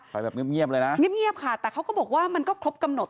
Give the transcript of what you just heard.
ไปแบบเงียบเลยนะเงียบค่ะแต่เขาก็บอกว่ามันก็ครบกำหนด